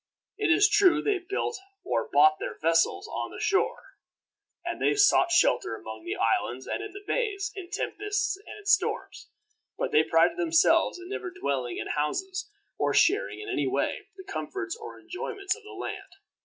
It is true they built or bought their vessels on the shore, and they sought shelter among the islands and in the bays in tempests and storms; but they prided themselves in never dwelling in houses, or sharing, in any way, the comforts or enjoyments of the land.